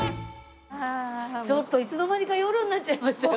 ちょっといつの間にか夜になっちゃいましたよ。